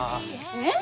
えっ？